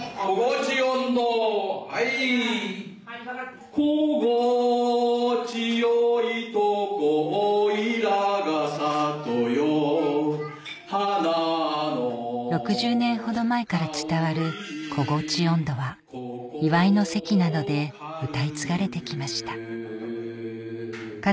花の６０年ほど前から伝わる『小河内音頭』は祝いの席などで歌い継がれて来ましたか